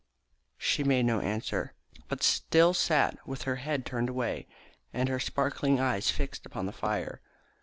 She made no answer, but still sat with her head turned away and her sparkling eyes fixed upon the fire.